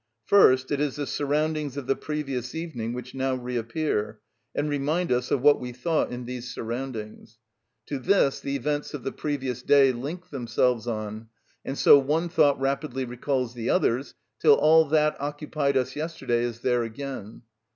First it is the surroundings of the previous evening which now reappear, and remind us of what we thought in these surroundings; to this the events of the previous day link themselves on; and so one thought rapidly recalls the others, till all that occupied us yesterday is there again.